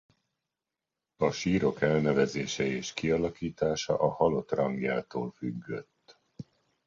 A sírok elnevezése és kialakítása a halott rangjától függött.